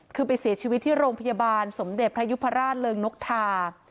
คือไปเสียชีวิตที่โรงพยาบาลสมเด็จพระยุพราชเริงนกทา